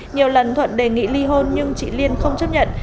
nhiều lần thuận đề nghị ly hôn nhưng chị liên không chấp nhận